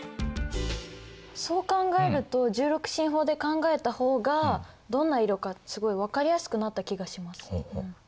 そう考えると１６進法で考えた方がどんな色かすごい分かりやすくなった気がします。